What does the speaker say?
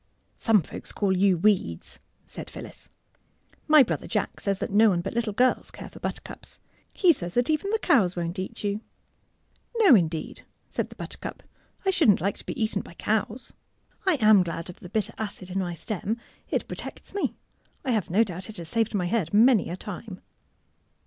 '' Some folks call you weeds," said Phyllis. ^' My brother Jack says that no one but little girls care for buttercups. He says that even the cows won't eat you." ^^ No, indeed," said the buttercup. I shouldn't like to be eaten by cows. I am glad 127 128 THE BUTTERCUP of the bitter acid in my stem. It protects me. I have no doubt it has saved my head many a time."